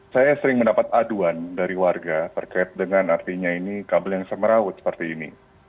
saya sering mendapat aduan dari warga terkait dengan artinya ini kabel yang semeraut seperti ini